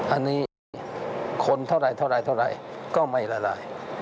อันนี้คนเท่าไรก็ไม่ละลาย